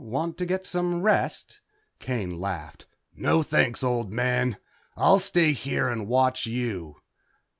Want to get some rest?" Kane laughed. "No thanks, old man. I'll stay here and watch you."